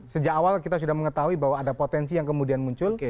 sejak awal kita sudah mengetahui bahwa ada potensi yang kemudian muncul